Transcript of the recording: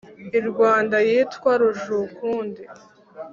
I Rwanda yitwa Rujukundi.